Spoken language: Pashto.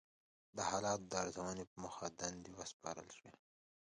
د حالاتو د ارزونې په موخه دندې وسپارل شوې.